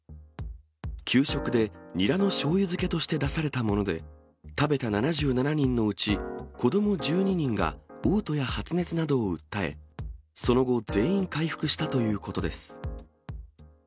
給食でニラのしょうゆ漬けとして出されたもので、食べた７７人のうち、子ども１２人がおう吐や発熱などを訴え、その後、全員回復したということです。